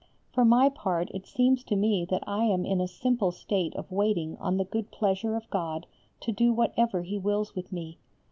For my part it seems to me that I am in a simple state of waiting on the good pleasure of God to do whatever He wills with me.